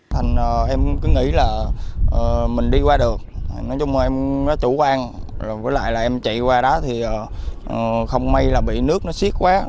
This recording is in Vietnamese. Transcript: thành em cứ nghĩ là mình đi qua được nói chung là em nó chủ quan với lại là em chạy qua đó thì không may là bị nước nó xiết quá